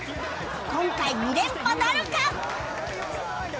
今回２連覇なるか！？